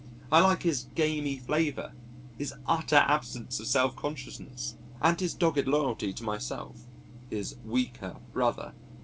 I like his gamey flavour, his utter absence of self consciousness, and his doggy loyalty to myself his weaker brother.